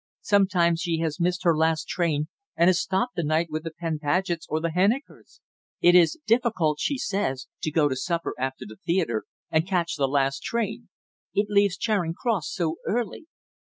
Sometimes she has missed her last train and has stopped the night with the Penn Pagets or the Hennikers. It is difficult, she says, to go to supper after the theatre and catch the last train. It leaves Charing Cross so early."